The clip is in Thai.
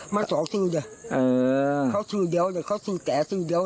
มันสองชื่อเขาชื่อเดี๋ยวเขาชื่อแก่ชื่อเดี๋ยว